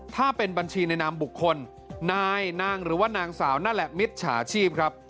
ถ้าเป็นบัญชีในนามบุคคลนายนางหรือว่านางสาวนั่นแหละมิตรฉาชีพครับ